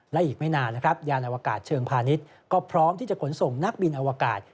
และอีกไม่นานนะครับยานอวกาศเชิงพาณิชย์ก็พร้อมที่จะขนส่งนักบินอวกาศ